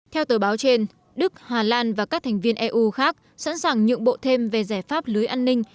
theo tờ báo trên đức hà lan và các thành viên eu khác sẵn sàng nhượng bộ thêm về giải pháp lưới an ninh